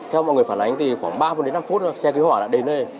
theo mọi người phản ánh thì khoảng ba năm phút xe cứu hỏa đã đến đây